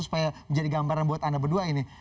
supaya menjadi gambaran buat anda berdua ini